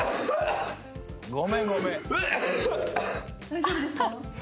大丈夫ですか？